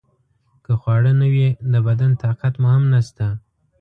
که خواړه نه وي د بدن طاقت مو هم نشته.